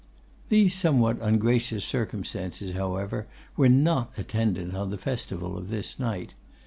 These somewhat ungracious circumstances, however, were not attendant on the festival of this night.